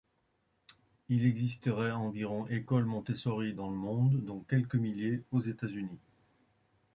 Il existerait environ écoles Montessori dans le monde, dont quelque milliers aux États-Unis.